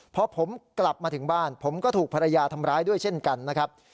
พอผมกลับมาถึงบ้านผมก็ถูกภรรยาทำร้ายด้วยเช่นกันนะครับ